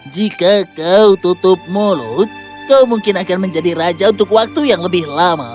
jika kau tutup mulut kau mungkin akan menjadi raja untuk waktu yang lebih lama